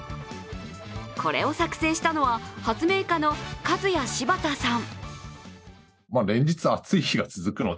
これを作成したのは発明家のカズヤ・シバタさん。